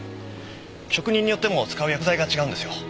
職人によっても使う薬剤が違うんですよ。